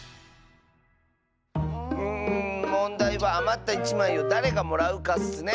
うんもんだいはあまった１まいをだれがもらうかッスね。